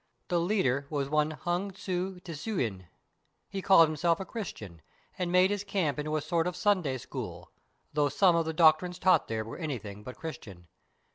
The leader was one Hung Sew tseuen. He called himself a Christian, and made his camp into a sort of Sunday School, though some of the doctrines taught there were anything but Christian.